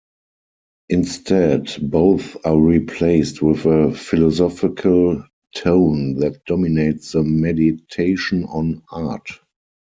Instead, both are replaced with a philosophical tone that dominates the meditation on art.